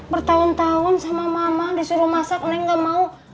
bertahun tahun sama mama disuruh masak neng gak mau